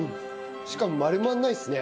しかも丸まらないですね。